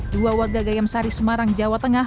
dua warga gayam sari semarang jawa tengah